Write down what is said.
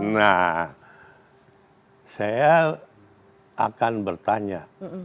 nah saya akan bertanya